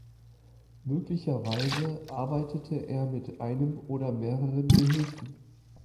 Möglicherweise arbeitete er mit einem oder mehreren Gehilfen.